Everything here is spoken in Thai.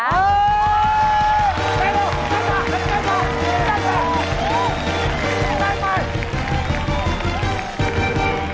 เฮ้ยได้หรอได้หรอได้หรอได้หรอ